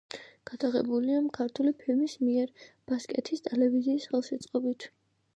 გადაღებულია „ქართული ფილმის“ მიერ, ბასკეთის ტელევიზიის ხელშეწყობით.